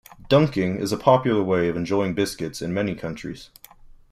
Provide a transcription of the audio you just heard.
Dunking is a popular way of enjoying biscuits in many countries.